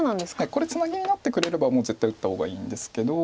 これツナギになってくれればもう絶対打った方がいいんですけど。